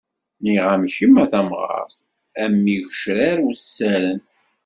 Nniɣ-am kemm a tamɣart, a mm igecrar wessaren.